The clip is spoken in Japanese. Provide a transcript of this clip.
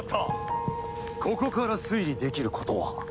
ここから推理できることは？